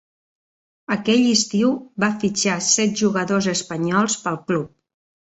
Aquell estiu, va fitxar set jugadors espanyols pel club.